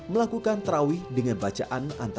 melakukan terawih yang super cepat